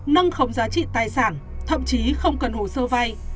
nâng khống giá trị tài sản thậm chí không cần hồ sơ vay